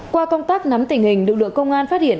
qua công tác nắm tình hình lực lượng công an phát hiện